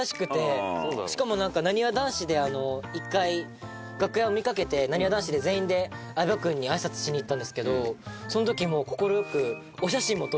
しかもなんかなにわ男子で一回楽屋を見かけてなにわ男子で全員で相葉君にあいさつしに行ったんですけどその時も快く。